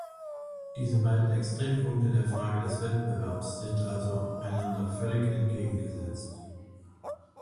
Diese beiden Extrempunkte der Frage des Wettbewerbs sind also einander völlig entgegengesetzt.